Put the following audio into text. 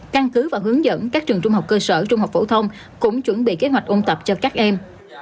căn cứ và hướng dẫn các trường trung học cơ sở trung học phổ thông cũng chuẩn bị kế hoạch ôn tập cho các em